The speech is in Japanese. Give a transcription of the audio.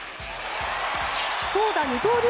投打二刀流